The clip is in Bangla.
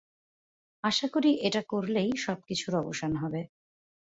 আশাকরি এটা করলেই সবকিছুর অবসান হবে।